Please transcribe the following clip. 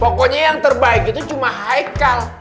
pokoknya yang terbaik itu cuma haikal